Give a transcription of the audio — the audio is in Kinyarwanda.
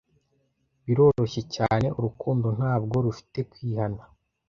biroroshye cyane urukundo ntabwo rufite kwihana